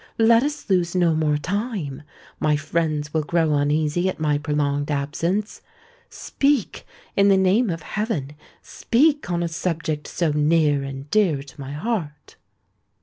"Let us lose no more time—my friends will grow uneasy at my prolonged absence! Speak—in the name of heaven, speak on a subject so near and dear to my heart."